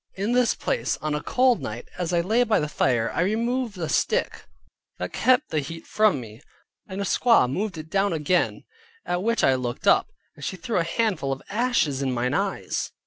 In this place, on a cold night, as I lay by the fire, I removed a stick that kept the heat from me. A squaw moved it down again, at which I looked up, and she threw a handful of ashes in mine eyes.